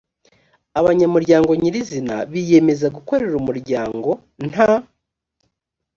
abanyamuryango nyirizina biyemeza gukorera umuryango nta